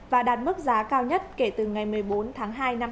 và đạt mức giá cao nhất kể từ ngày một mươi bốn tháng hai năm hai nghìn hai mươi